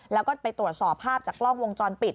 แล้วก็ไปตรวจสอบภาพจากกล้องวงจรปิด